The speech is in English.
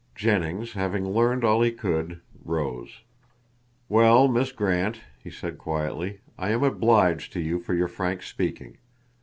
Jennings having learned all he could, rose. "Well, Miss Grant," he said quietly, "I am obliged to you for your frank speaking.